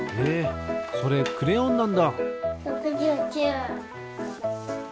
えっそれクレヨンなんだ！